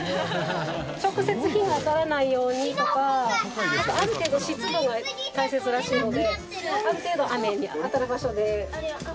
直接日が当たらないようにとかある程度湿度が大切らしいのである程度雨に当たる場所で。